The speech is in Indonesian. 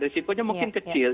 risikonya mungkin kecil